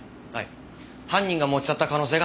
犯人が持ち去った可能性が高いです。